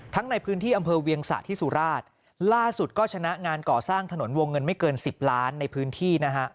ในพื้นที่อำเภอเวียงสะที่สุราชล่าสุดก็ชนะงานก่อสร้างถนนวงเงินไม่เกินสิบล้านในพื้นที่นะฮะ